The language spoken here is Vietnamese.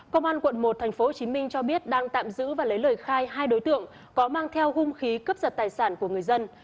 công an quận một tp hcm cho biết đang tạm giữ và lấy lời khai hai đối tượng có mang theo hung khí cướp giật tài sản của người dân